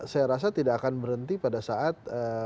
saya rasa tidak akan berhenti pada saat